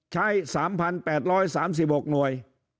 ใช้๓๘๓๖หน่วย